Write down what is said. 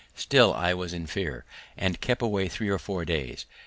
Still, I was in fear, and kept away three or four days.